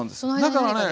だからね